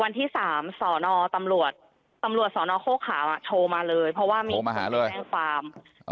วันที่๓สรตำรวจสรโฆขาโทรมาเลยเพราะว่ามีคนแจ้งความ